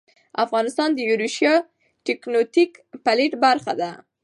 افغانستان د یوریشیا تکتونیک پلیټ برخه ده